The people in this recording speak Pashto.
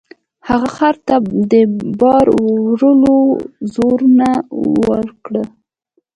هغه خر ته د بار وړلو روزنه ورکړه.